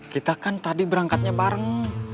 kita kan tadi berangkatnya bareng